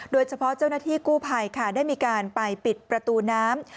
เจ้าหน้าที่กู้ภัยค่ะได้มีการไปปิดประตูน้ำ